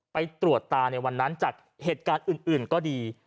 ไปตรวจตาในวันนั้นจากเหตุการณ์อื่นก็ดี